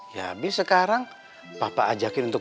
ya habis sekarang papa ajakin untuk